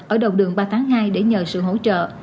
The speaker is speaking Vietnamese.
ở đầu đường ba tháng hai để nhờ sự hỗ trợ